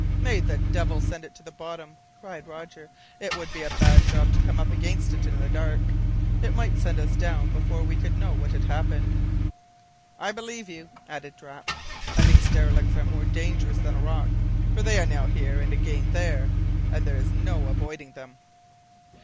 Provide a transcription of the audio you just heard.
"May the devil send it to the bottom!" cried Roger. "It would be a bad job to come up against it in the dark; it might send us down before we could know what had happened." "I believe you," added Drap, "and these derelicts are more dangerous than a rock, for they are now here and again there, and there's no avoiding them."